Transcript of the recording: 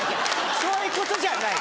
そういうことじゃない。